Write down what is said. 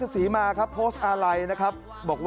และก็มีการกินยาละลายริ่มเลือดแล้วก็ยาละลายขายมันมาเลยตลอดครับ